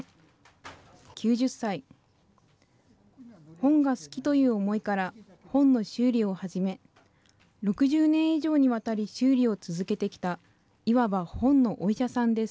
本が好きという思いから本の修理を始め６０年以上にわたり修理を続けてきたいわば本のお医者さんです